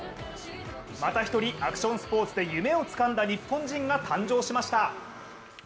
また１人、アクションスポーツで夢をつかんだ日本人が誕生しました。